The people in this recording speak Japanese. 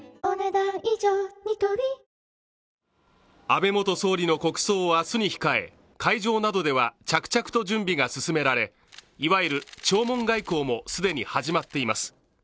安倍元首相の国葬を明日に控え、会場などでは着々と準備が進められいわゆる弔問外交も既に始まっています。